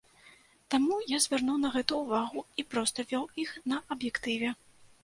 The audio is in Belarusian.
Таму я звярнуў на гэта ўвагу і проста вёў іх на аб'ектыве.